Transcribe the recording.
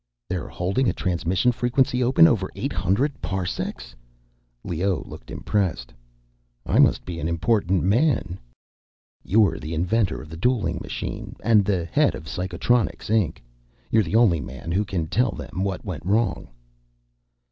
"They're holding a transmission frequency open over eight hundred parsecs?" Leoh looked impressed. "I must be an important man." "You're the inventor of the dueling machine and the head of Psychonics, Inc. You're the only man who can tell them what went wrong."